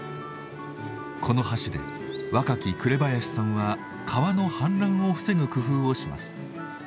この橋で若き紅林さんは川の氾濫を防ぐ工夫をします。